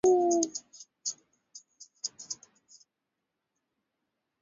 Waasisi hawakuishia hapo wakaamua kuunganisha vyama vyao vya siasa